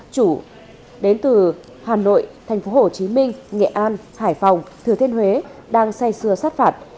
chủ đến từ hà nội tp hcm nghệ an hải phòng thừa thiên huế đang xây xưa sát phạt